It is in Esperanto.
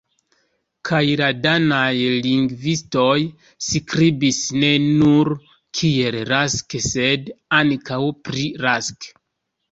Kaj la danaj lingvistoj skribis ne nur kiel Rask, sed ankaŭ pri Rask.